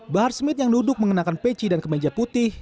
bahar smith yang duduk mengenakan peci dan kemeja putih